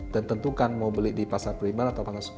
dan tentukan mau beli di pasar pribadi